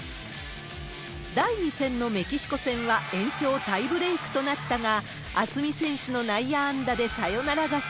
第２戦のメキシコ戦は延長タイブレークとなったが、渥美選手の内野安打でサヨナラ勝ち。